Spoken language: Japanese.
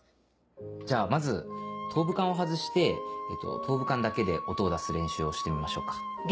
じゃあまず頭部管を外して頭部管だけで音を出す練習をしてみましょうか。